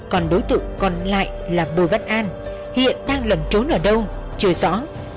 còn đối tượng còn lại là bùi văn an hiện đang lẩn trốn ở đâu chưa rõ